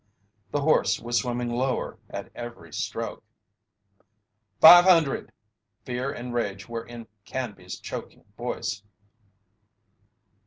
The horse was swimming lower at every stroke. "Five hundred!" Fear and rage were in Canby's choking voice.